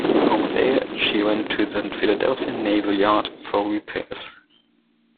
From there, she went to the Philadelphia Naval Yard for repairs.